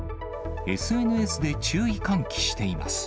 ＳＮＳで注意喚起しています。